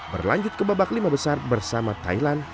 berlanjut ke babak lima besar bersama thailand